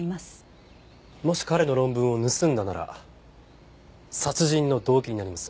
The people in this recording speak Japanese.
もし彼の論文を盗んだなら殺人の動機になります。